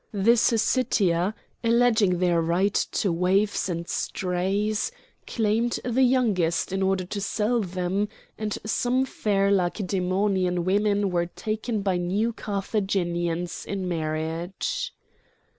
The Syssitia, alleging their right to waifs and strays, claimed the youngest in order to sell them; and some fair Lacedæmonian women were taken by New Carthaginians in marriage.